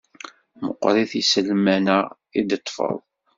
Meqqrit yiselman-a i d-teṭṭfeḍ.